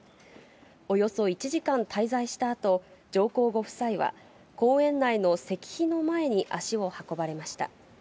およそ１時間滞在したあと、上皇ご夫妻は、公園内の石碑の前に足を運ばれました。